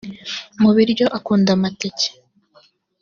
Mu biryo akunda amateke